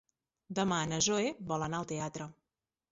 Demà na Zoè vol anar al teatre.